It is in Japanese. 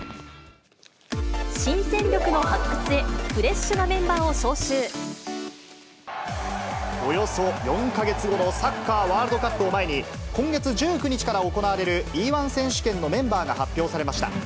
新戦力の発掘へ、フレッシュおよそ４か月後のサッカーワールドカップを前に、今月１９日から行われる、Ｅー１選手権のメンバーが発表されました。